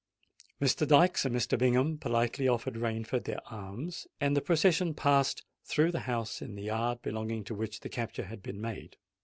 Mr. Dykes and Mr. Bingham politely offered Rainford their arms; and the procession passed through the house, in the yard belonging to which the capture had been made.